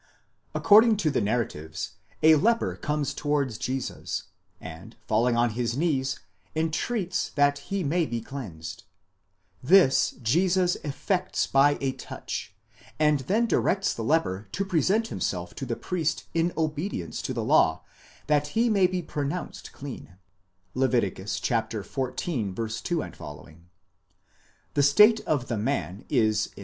According to the narratives, a leper comes towards Jesus, and 'falling on his knees, entreats that he may be cleansed ;_ this Jesus effects by a touch, and then directs the leper to present himself to the priest in obedience to the law, that he may be pronounced clean (Lev. xiv. 2 ff.). The state of the man is in.